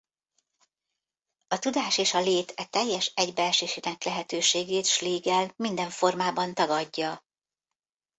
A tudás és a lét e teljes egybeesésének lehetőségét Schlegel minden formában tagadja.